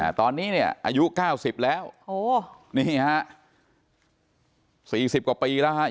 อ่าตอนนี้เนี้ยอายุเก้าสิบแล้วโหนี่ฮะสี่สิบกว่าปีแล้วฮะ